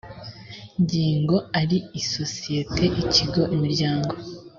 ngingo ari isosiyete ikigo imiryango